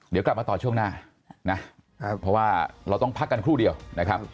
เดี๋ยวกลับมาต่อช่วงหน้านะเพราะว่าเราต้องพักกันครู่เดียวนะครับ